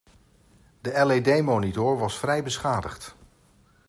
De LED monitor was vrij beschadigd.